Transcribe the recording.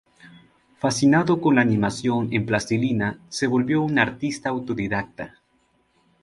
Fascinado con la animación en plastilina, se volvió un artista autodidacta.